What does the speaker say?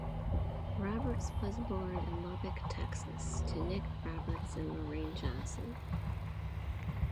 Roberts was born in Lubbock, Texas to Nick Roberts and Lorraine Johnson.